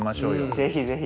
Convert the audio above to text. ぜひぜひ。